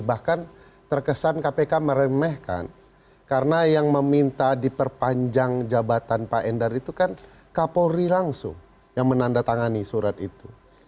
bahkan terkesan kpk meremehkan karena yang meminta diperpanjang jabatan pak endar itu kan kapolri langsung yang menandatangani surat itu